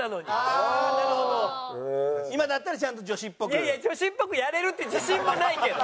いやいや女子っぽくやれるって自信もないけど。